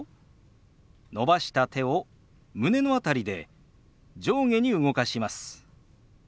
伸ばした手を胸の辺りで上下に動かします。